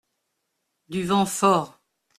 Du vent fort.